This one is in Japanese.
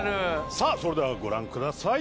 さあそれではご覧ください。